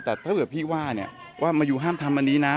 แต่ถ้าเกิดพี่ว่าเนี่ยว่ามาอยู่ห้ามทำอันนี้นะ